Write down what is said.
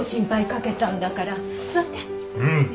うん。